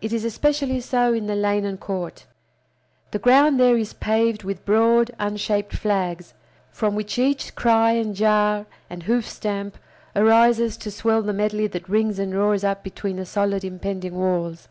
It is especially so in the lane and court. The ground there is paved with broad unshaped flags, from which each cry and jar and hoof stamp arises to swell the medley that rings and roars up between the solid impending walls.